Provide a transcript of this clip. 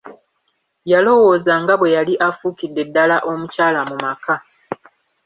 Yalowooza nga bwe yali afuukidde ddala omukyala mu maka.